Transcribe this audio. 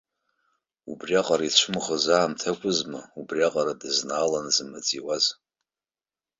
Убриаҟара ицәымӷыз аамҭа акәызма убриаҟара дызнааланы зымаҵ иуаз?!